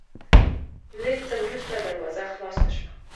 لېږ څه ورورسته دروازه خلاصه شوه،